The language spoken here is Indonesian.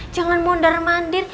jangan mundur mandir